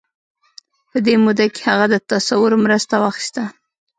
په دې موده کې هغه د تصور مرسته واخيسته.